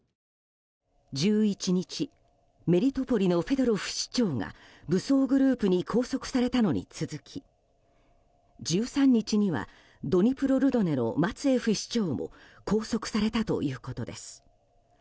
１１日メリトポリのフェドロフ市長が武装グループに拘束されたのに続き１３日にはドニプロルドネのマツエフ市長も拘束されたということです。